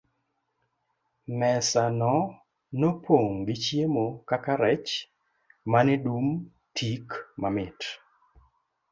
Mesa no nopong' gi chiemo kaka rech mane dum tik mamit.